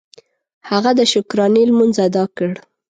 هغه د شکرانې لمونځ ادا کړ.